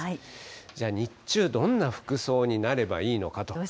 じゃあ日中、どんな服装になればいいのかと。